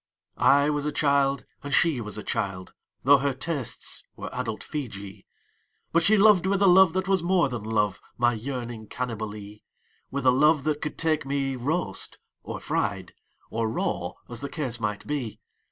I was a child, and she was a child — Tho' her tastes were adult Feejee — But she loved with a love that was more than love, My yearning Cannibalee; With a love that could take me roast or fried Or raw, as the case might be.